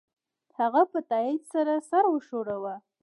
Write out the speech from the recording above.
هغه په تایید سره سر وښوراوه